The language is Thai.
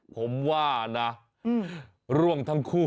ผมว่านะร่วงทั้งคู่